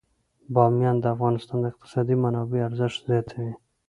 بامیان د افغانستان د اقتصادي منابعو ارزښت زیاتوي.